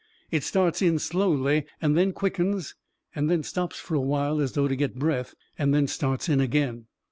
It starts in slowly, and then quickens, and then stops for a while as though to get breath, and then starts in again."